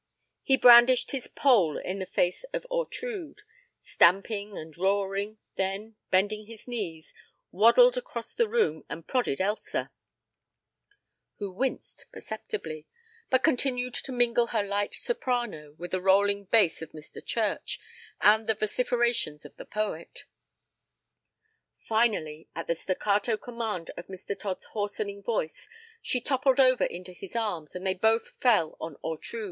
He brandished his pole in the face of Ortrud, stamping and roaring, then, bending his knees, waddled across the room and prodded Elsa, who winced perceptibly but continued to mingle her light soprano with the rolling bass of Mr. Church and the vociferations of the poet. Finally, at the staccato command of Mr. Todd's hoarsening voice, she toppled over into his arms and they both fell on Ortrud.